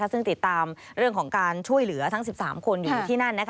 ซึ่งติดตามเรื่องของการช่วยเหลือทั้ง๑๓คนอยู่ที่นั่น